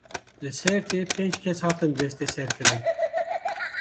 Li Sêrtê pênc kes hatin desteserkirin.